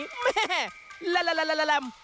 เมฆลาลัลัม๕๕๖